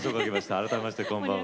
改めまして、こんばんは。